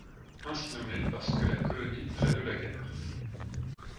Ainsi nommé parce que la colonie près de la gare.